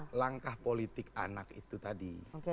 itu bukan langkah politik anak itu tadi